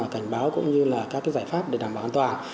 cảnh báo cũng như là các giải pháp để đảm bảo an toàn